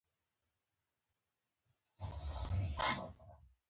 ځمکنی شکل د افغانستان د اجتماعي جوړښت یوه ډېره مهمه برخه ده.